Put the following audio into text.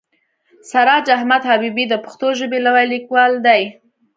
سراج احمد حبیبي د پښتو ژبې لوی لیکوال دی.